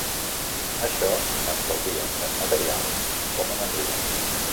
Això estalvia tant material com energia.